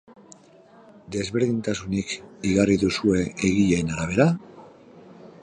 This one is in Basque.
Desberdintasunik igarri duzue egileen arabera?